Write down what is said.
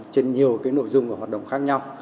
trên nhiều nội dung và hoạt động khác nhau